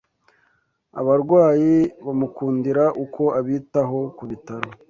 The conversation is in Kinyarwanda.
abarwayi bamukundira uko abitaho Ku bitaro